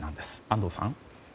安藤さん。